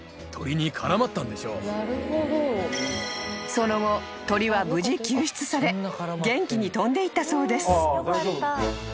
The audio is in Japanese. ［その後鳥は無事救出され元気に飛んでいったそうです］